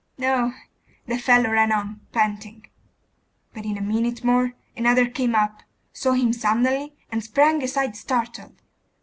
No! the fellow ran on, panting. But in a minute more, another came up, saw him suddenly, and sprang aside startled.